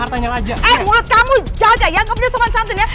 aku nyerang dulu ribu nanti ya